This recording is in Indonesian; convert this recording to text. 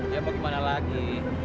ya mau gimana lagi